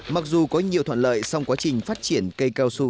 mặc dù có nhiều thuận lợi song quá trình phát triển cây cao su